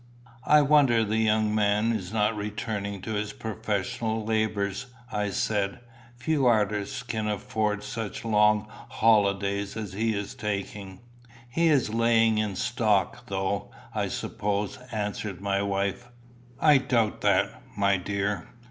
"I wonder the young man is not returning to his professional labours," I said. "Few artists can afford such long holidays as he is taking." "He is laying in stock, though, I suppose," answered my wife. "I doubt that, my dear.